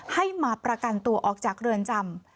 ให้มาประกันตัวออกจากเรือนจำ